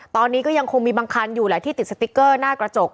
ตอนนี้ก็ยังคงมีบางคันอยู่แหละที่ติดสติ๊กเกอร์หน้ากระจก